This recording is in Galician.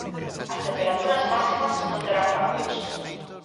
As temperaturas máximas non terán cambios.